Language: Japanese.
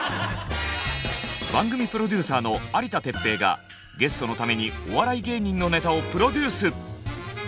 番組プロデューサーの有田哲平がゲストのためにお笑い芸人のネタをプロデュース。